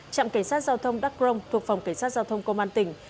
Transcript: trạm cảnh sát giao thông đắc crông thuộc phòng cảnh sát giao thông công an tỉnh